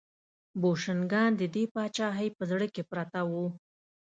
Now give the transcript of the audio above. بوشنګان د دې پاچاهۍ په زړه کې پراته وو.